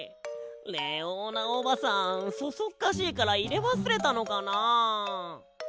レオーナおばさんそそっかしいからいれわすれたのかな？